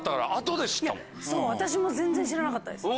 私も全然知らなかったです。